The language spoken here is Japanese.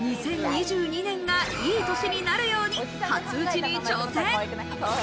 ２０２２年が良い年になるように初打ちに挑戦。